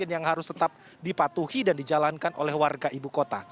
yang harus tetap dipatuhi dan dijalankan oleh warga ibu kota